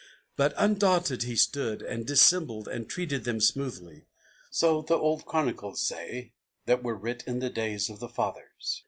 But undaunted he stood, and dissembled and treated them smoothly; So the old chronicles say, that were writ in the days of the fathers.